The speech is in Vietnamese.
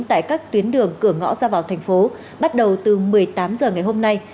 tại các tuyến đường cửa ngõ ra vào thành phố bắt đầu từ một mươi tám h ngày hôm nay